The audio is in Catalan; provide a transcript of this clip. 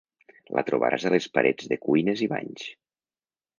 La trobaràs a les parets de cuines i banys.